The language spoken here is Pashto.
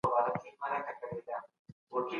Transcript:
نه و هېڅ انسان